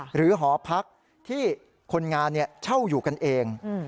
หอพักที่คนงานเช่าอยู่กันเอง